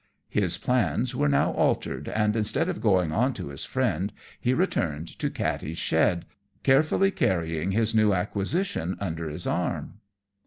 His plans were now altered, and instead of going on to his friend, he returned to Katty's shed, carefully carrying his new acquisition under his arm.